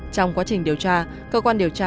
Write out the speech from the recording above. trong quá trình điều tra cơ quan điều tra